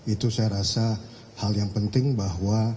itu saya rasa hal yang penting bahwa